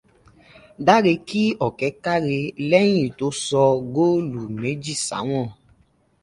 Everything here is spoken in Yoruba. Dáre kí Ọ̀kẹ́ káre lẹ́yìn tó sọ góòlò méjì sáwọ̀n.